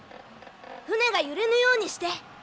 船が揺れぬようにして！